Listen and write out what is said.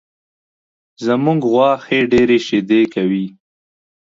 زمونږ غوا ښې ډېرې شیدې کوي